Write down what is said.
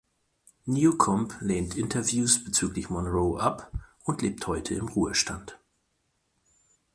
Newcomb lehnt Interviews bezüglich Monroe ab und lebt heute im Ruhestand.